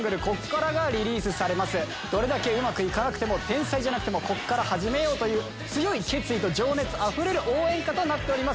どれだけうまくいかなくても天才じゃなくてもこっから始めようという強い決意と情熱あふれる応援歌となっております。